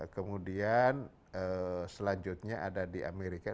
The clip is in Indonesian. kemudian selanjutnya ada di amerika